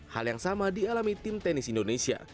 hal yang sama dialami tim tenis indonesia